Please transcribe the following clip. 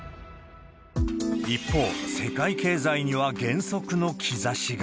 一方、世界経済には減速の兆しが。